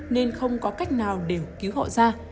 nên không có cách nào để cứu họ ra